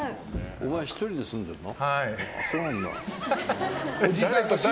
お前、１人で住んでるの？